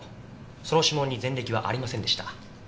その指紋に前歴はありませんでした。